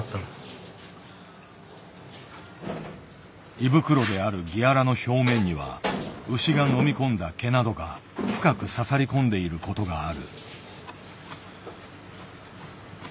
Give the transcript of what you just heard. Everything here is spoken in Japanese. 胃袋であるギアラの表面には牛が飲み込んだ毛などが深く刺さりこんでいることがある。